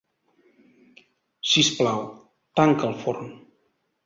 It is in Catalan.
Si us plau, tanca el forn.